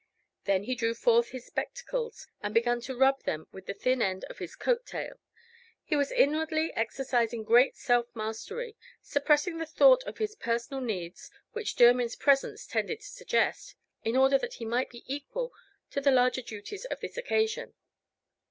Then he drew forth his spectacles, and began to rub them with the thin end of his coat tail. He was inwardly exercising great self mastery suppressing the thought of his personal needs, which Jermyn's presence tended to suggest, in order that he might be equal to the larger duties of this occasion.